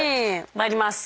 参ります。